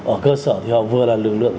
ở cơ sở thì họ vừa là lực lượng